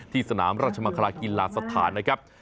ที่สนามราชมาฆรากิลาสถานนะครับ